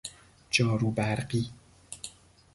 جارو برقی